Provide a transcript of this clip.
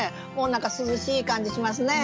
涼しい感じしますね。